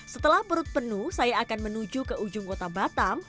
setelah perut penuh saya akan menuju ke ujung kota batam